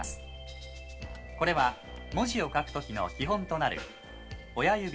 「これは文字を書く時の基本となる親指